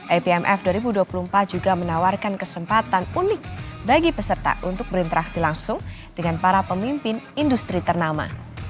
apmf dua ribu dua puluh empat juga menawarkan kesempatan unik bagi peserta untuk berinteraksi langsung dengan para pemimpin industri ternama